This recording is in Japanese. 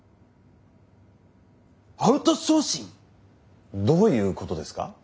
アウトソーシング？どういうことですか？